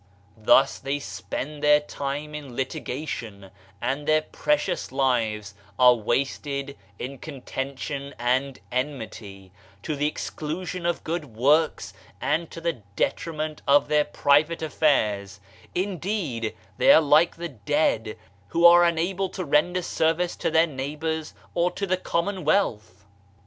Thus they spend their time in litigation, and their precious lives are wasted in contention and enmity, to the exclusion of good works and to the detriment of their private affairs; indeed they are like the dead, who are unable to render service to their neighbors or to the commonwealth.